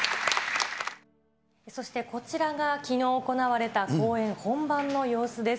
そしてこちらがきのう行われた公演本番の様子です。